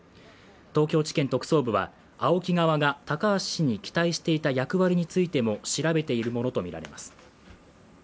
東京地検特捜部は、ＡＯＫＩ側が高橋氏に期待していた役割についても調べているものとみられます。